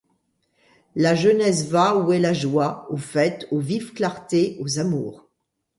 La jeunesse va où est la joie, aux fêtes, aux vives clartés, aux amours.